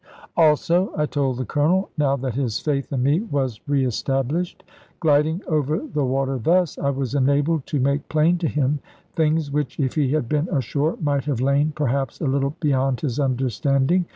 Also I told the Colonel, now that his faith in me was re established, gliding over the water thus, I was enabled to make plain to him things which if he had been ashore might have lain perhaps a little beyond his understanding.